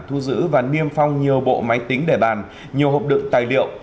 thu giữ và niêm phong nhiều bộ máy tính để bàn nhiều hộp đựng tài liệu